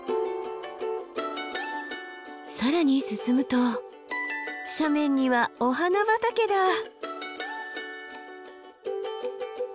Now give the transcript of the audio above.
更に進むと斜面にはお花畑だ！